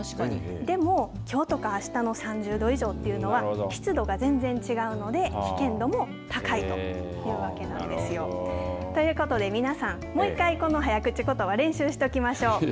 でも、きょうとかあしたの３０度以上というのは湿度が全然違うので危険度も高いというわけなんですよ。ということで、皆さんもう１回この早口ことば練習しときましょう。